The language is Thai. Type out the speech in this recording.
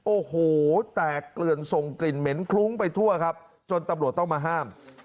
โอ้โหแตกเกลือนส่งกลิ่นเหม็นคลุ้งไปทั่วครับจนตำรวจต้องมาห้าม